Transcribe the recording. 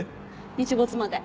日没まで